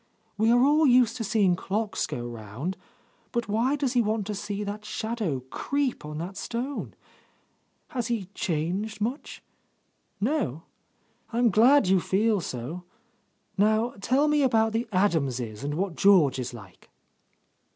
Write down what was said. We are all used to seeing clocks go round, but why does he want to see that shadow creep on that stone? Has he changed much ? No? I'm glad you feel so. Now tell me about the Adamses and what George is like."